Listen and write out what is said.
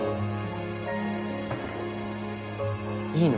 いいの？